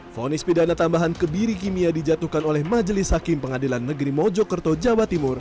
fonis pidana tambahan kebiri kimia dijatuhkan oleh majelis hakim pengadilan negeri mojokerto jawa timur